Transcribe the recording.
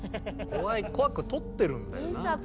怖く撮ってるんだよなあ。